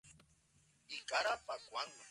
Un ejemplo bien conocido es el Loto Sagrado.